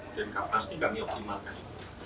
dan pasti kami optimalkan itu